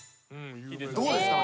どうですか？